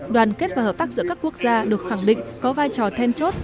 đoàn kết và hợp tác giữa các quốc gia được khẳng định có vai trò then chốt